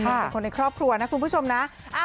จากคนในครอบครัวนะคุณผู้ชมนะ